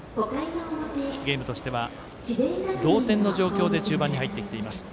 ゲームとしては同点の状況で中盤に入ってきています。